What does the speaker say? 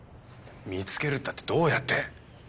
見つけるったってどうやって？